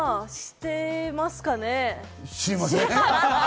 知ってますかね？